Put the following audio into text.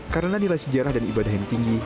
karena nilai sejarah dan ibadah yang tinggi